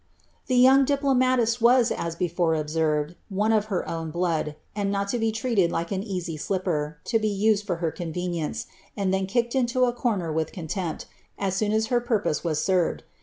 The young diplomatist was, as before obseireil, one of her own b and not to be ireaicd like air easy slipper, lo be used for her cooTcai and ihen kicked into a. comer with coniempl. as soon as her pni was served.